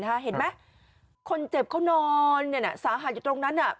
เห็นไหมคนเจ็บเขานอนสาหัสอยู่ตรงนั้น